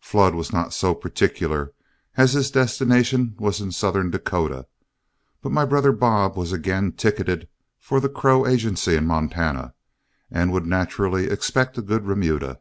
Flood was not so particular, as his destination was in southern Dakota, but my brother Bob was again ticketed for the Crow Agency in Montana, and would naturally expect a good remuda.